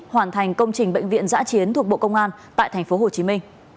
hoàn thành công trình bệnh viện giã chiến thuộc bộ công an tại tp hcm